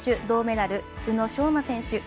銅メダル、宇野昌磨選手。